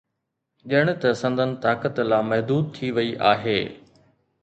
ڄڻ ته سندن طاقت لامحدود ٿي وئي آهي.